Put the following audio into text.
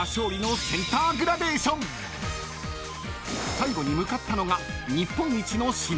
［最後に向かったのが］